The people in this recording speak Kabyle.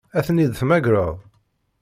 Ad ten-id-temmagreḍ?